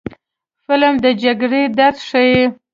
فلم د جګړې درد ښيي